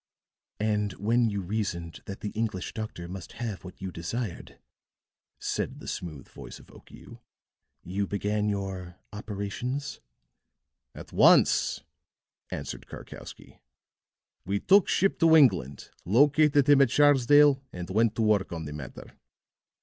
"And when you reasoned that the English doctor must have what you desired," said the smooth voice of Okiu, "you began your operations?" "At once," answered Karkowsky. "We took ship to England, located him at Sharsdale, and went to work on the matter.